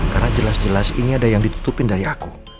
karena jelas jelas ini ada yang ditutupin dari aku